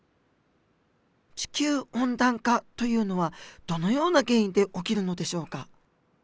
地球温暖化というのはどのような原因で起きるのでしょうか？